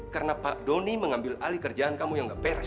karena pak doni mengambil alih kerjaan kamu yang nggak beres